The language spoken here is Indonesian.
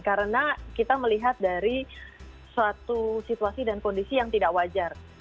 karena kita melihat dari suatu situasi dan kondisi yang tidak wajar